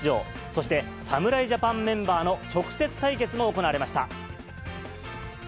そして、侍ジャパンメンバーの直接対決も行われました。